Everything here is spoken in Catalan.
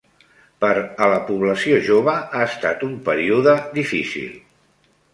Per a la població jove ha estat un període difícil.